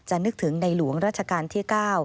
นึกถึงในหลวงราชการที่๙